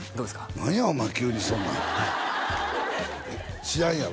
何やお前急にそんなん知らんやろ？